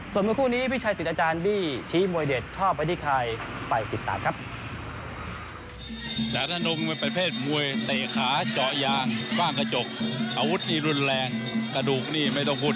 ส่วนเมื่อคู่นี้พี่ชัยสิทธิ์อาจารย์บี้